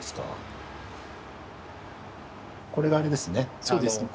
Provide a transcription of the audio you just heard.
これがあれですね